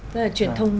rất là truyền thông